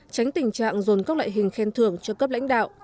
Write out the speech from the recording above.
tránh tình trạng dồn các loại hình khen thưởng cho cấp lãnh đạo